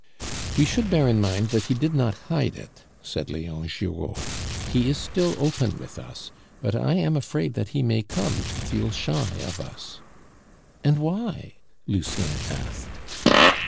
"We should bear in mind that he did not hide it," said Leon Giraud; "he is still open with us; but I am afraid that he may come to feel shy of us." "And why?" Lucien asked.